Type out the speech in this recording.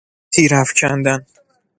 تیر افکندن